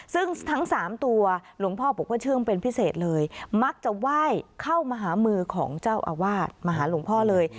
ซึ่งทั้งสามตัวหลวงพ่อบอกว่าเชื่องเป็นพิเศษเลยมักจะไหว้เข้ามาหามือของเจ้าอาวาสมาหาหลวงพ่อเลย